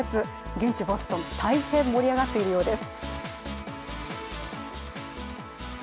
現地ボストン、大変盛り上がっているようです。